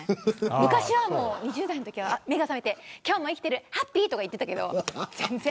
昔、２０代のときは目が覚めて今日も生きてる、ハッピーとか言っていたけど全然。